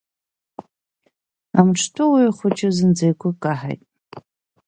Амҿтәы Уаҩхәыҷы зынӡа игәы каҳаит.